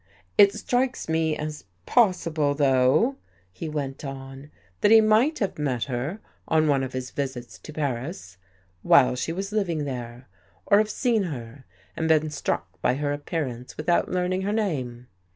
" It strikes me as possible, though," he went on, " that he might have met her on one of his visits to Paris, while she was living there, or have seen her and been struck by her appearance without learning her name.